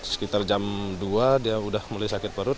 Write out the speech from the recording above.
sekitar jam dua dia sudah mulai sakit perut